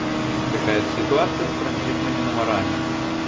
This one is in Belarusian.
Такая ж сітуацыя з транзітнымі нумарамі.